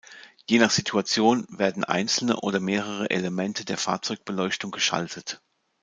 Je nach Situation werden einzelne oder mehrere Elemente der Fahrzeugbeleuchtung geschaltet.